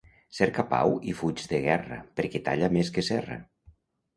Cerca pau i fuig de guerra perquè talla més que serra.